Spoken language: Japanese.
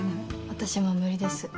私も無理です。